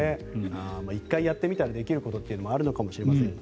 １回やってみたらできることもあるのかもしれません。